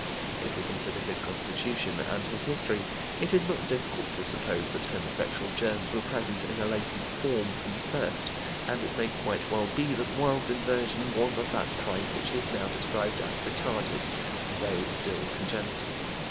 If we consider his constitution and his history, it is not difficult to suppose that homosexual germs were present in a latent form from the first, and it may quite well be that Wilde's inversion was of that kind which is now described as retarded, though still congenital.